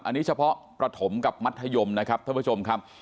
อันนี้เฉพาะประถมกับมัธยมนะครับท่านผู้ชมครับ